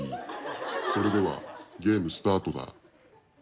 それではゲームスタートだ。